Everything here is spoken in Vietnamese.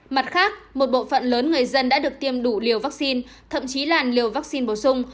mặt khác một bộ phận lớn người dân đã được tiêm đủ liều vaccine thậm chí là liều vaccine bổ sung